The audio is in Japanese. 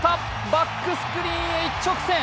バックスクリーンへ一直線。